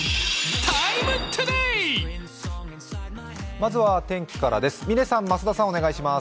まずは天気からです。